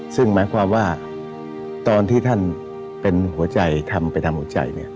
ซึ่งหมายความว่าตอนที่ท่านเป็นหัวใจทำไปตามหัวใจ